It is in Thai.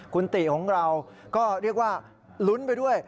คุณติของเราก็เรียกว่าลุ้นไปด้วย